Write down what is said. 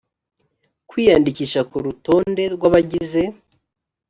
kwiyandikisha ku rutonde rw abagize